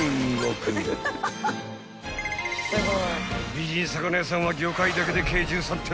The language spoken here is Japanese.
［美人魚屋さんは魚介だけで計１３点］